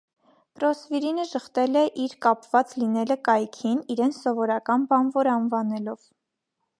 Պրոսվիրինը ժխտել է իր կապված լինելը կայքին, իրեն «սովորական բանվոր» անվանելով։